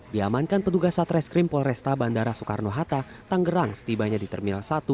diamankan petugas satreskrim polresta bandara soekarno hatta tanggerang setibanya di terminal satu